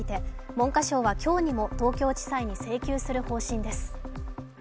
文科省は今日にも東京地裁に請求する方針です